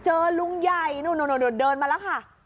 เจอลุงใหญ่นู่นู่นู่นเดินมาแล้วค่ะ